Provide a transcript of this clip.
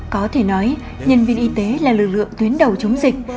có thể nói nhân viên y tế là lực lượng tuyến đầu chống dịch